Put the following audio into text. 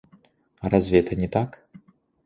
А разве это не так?